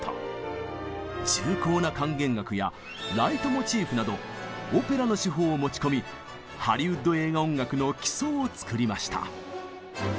重厚な管弦楽や「ライトモチーフ」などオペラの手法を持ち込みハリウッド映画音楽の基礎を作りました。